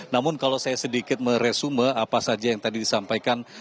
namun kalau saya sedikit meresume apa saja yang tadi disampaikan